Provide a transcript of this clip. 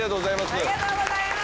ありがとうございます。